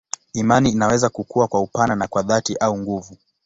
Imani inaweza kukua kwa upana na kwa dhati au nguvu.